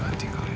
masuk ke dalam